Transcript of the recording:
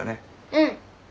うん。